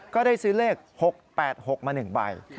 ก็ได้ซื้อเลข๖๘๖มา๑ใบ